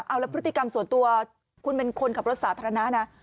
เอาแล้วพฤติกรรมส่วนตัวคุณเป็นคนขับรถสาธารณะนะ